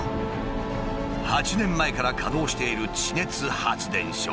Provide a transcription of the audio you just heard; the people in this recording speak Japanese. ８年前から稼働している地熱発電所。